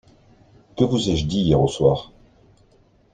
Que vous ai-je dit hier au soir ?